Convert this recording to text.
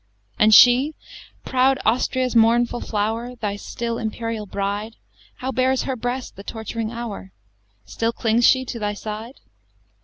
XIII And she, proud Austria's mournful flower, Thy still imperial bride; How bears her breast the torturing hour? Still clings she to thy side?